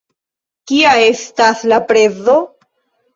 Kia estas la prezo?